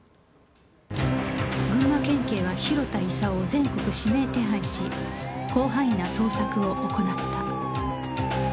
群馬県警は広田功を全国指名手配し広範囲な捜索を行った